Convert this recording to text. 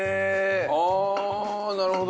あなるほど。